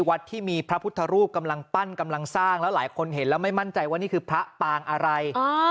วัดที่มีพระพุทธรูปกำลังปั้นกำลังสร้างแล้วหลายคนเห็นแล้วไม่มั่นใจว่านี่คือพระปางอะไร